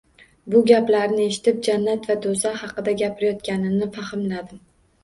Bu gaplarini eshitib, Jannat va Doʻzax haqida gapirayotganini fahmladim.